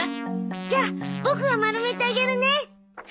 じゃあボクが丸めてあげるね。